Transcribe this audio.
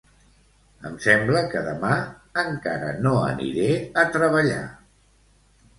Em sembla que demà encara no aniré a treballar